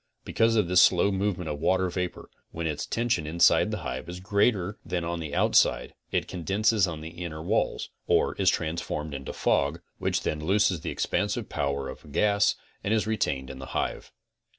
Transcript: Because of this slow movement of water vapor, when its tention inside the hive is greater than on the outside it condenses on the inner walls, or is transformed into fog, which then looses the expansive power of a gas and is retained in the hive.